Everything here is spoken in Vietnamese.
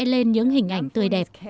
lẽ lên những hình ảnh tươi đẹp